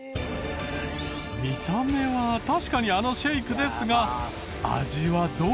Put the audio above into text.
見た目は確かにあのシェイクですが味はどう？